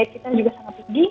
kita juga sangat tinggi